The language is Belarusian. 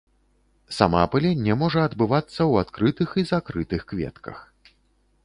Самаапыленне можа адбывацца ў адкрытых і закрытых кветках.